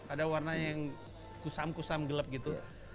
ada warna yang kusam kusam gelap gitu